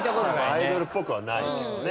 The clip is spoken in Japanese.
アイドルっぽくはないけどね。